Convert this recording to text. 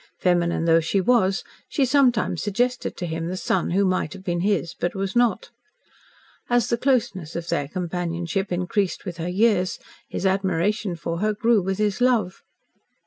Feminine though she was, she sometimes suggested to him the son who might have been his, but was not. As the closeness of their companionship increased with her years, his admiration for her grew with his love.